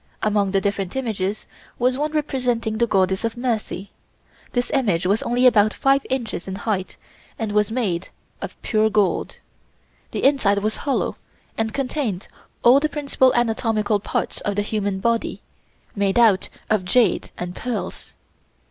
Among the different images was one representing the Goddess of Mercy. This image was only about five inches in height and was made of pure gold. The inside was hollow and contained all the principal anatomical parts of the human body, made out of jade and pearls.